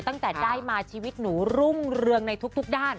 ตั้งแต่ได้มาชีวิตหนูรุ่งเรืองในทุกด้าน